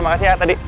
ya makasih ya tadi